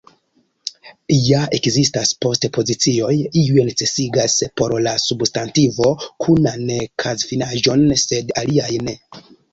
Ja ekzistas post-pozicioj; iuj necesigas por la substantivo kunan kazfinaĵon, sed aliaj ne.